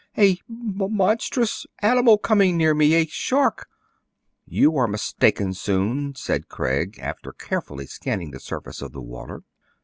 " A monstrous animal coming near me, — a shark !" "You are mistaken, Soun," said Craig, after carefully scanning the surface of the water.